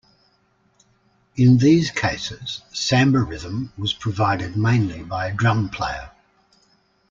In these cases, samba rhythm was provided mainly by a drum player.